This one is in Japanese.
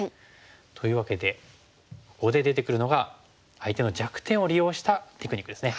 というわけでここで出てくるのが相手の弱点を利用したテクニックですね。